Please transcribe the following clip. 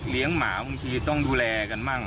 หมาบางทีต้องดูแลกันบ้าง